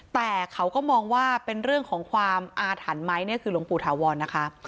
แต่เขาก็มองว่าเป็นเรื่องของความอาถรรพ์ไหมนี่คือหลวงปู่ถาวรนะคะ